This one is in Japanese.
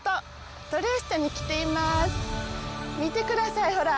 見てください、ほら。